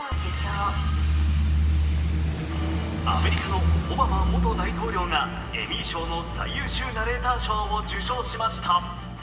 アメリカのオバマ元大統領がエミー賞の最優秀ナレーター賞を受賞しました。